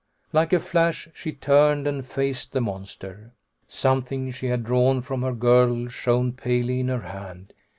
Like a flash she turned and faced the monster. Something she had drawn from her girdle shone palely in her hand.